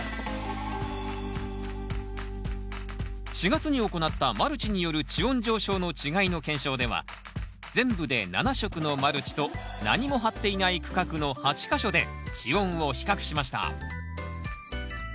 ４月に行ったマルチによる地温上昇の違いの検証では全部で７色のマルチと何も張っていない区画の８か所で地温を比較しました。